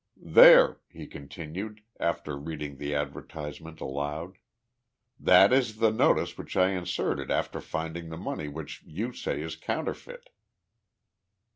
"There," he continued, after reading the advertisement aloud, "that is the notice which I inserted after finding the money which you say is counterfeit."